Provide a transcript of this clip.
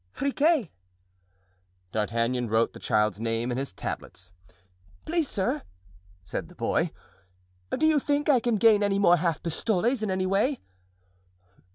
"Friquet." D'Artagnan wrote the child's name in his tablets. "Please, sir," said the boy, "do you think I can gain any more half pistoles in any way?"